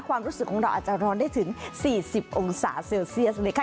ความรู้สึกของเราอาจจะร้อนได้ถึง๔๐องศาเซลเซียสเลยค่ะ